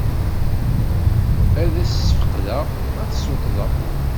Ad as-sfeqdeɣ, ad t-ssuṭḍeɣ.